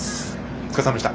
お疲れさまでした。